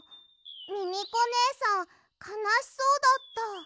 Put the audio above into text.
ミミコねえさんかなしそうだった。